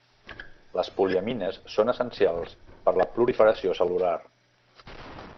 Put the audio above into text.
Les poliamines són essencials per la proliferació cel·lular.